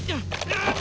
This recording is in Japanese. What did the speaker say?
あっ！